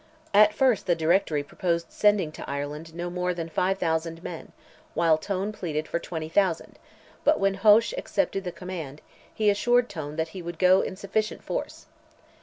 At first the Directory proposed sending to Ireland no more than 5,000 men, while Tone pleaded for 20,000; but when Hoche accepted the command, he assured Tone he would go "in sufficient force."